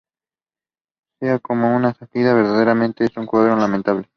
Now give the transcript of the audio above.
Sea o no una sátira, verdaderamente es un cuento lamentable.